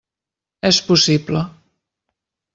És possible.